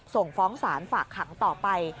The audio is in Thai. ส่งฟ้องศาลฝากขังต่อไป